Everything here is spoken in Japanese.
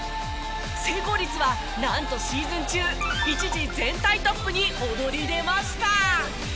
成功率はなんとシーズン中一時全体トップに躍り出ました。